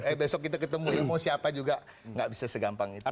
eh besok kita ketemu mau siapa juga nggak bisa segampang itu